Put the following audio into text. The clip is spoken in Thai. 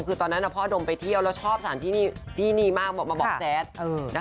คือตอนนั้นพ่อดมไปเที่ยวแล้วชอบสารที่นี่มากบอกมาบอกแจ๊ด